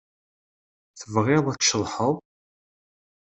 Tebɣiḍ ad tceḍḥeḍ?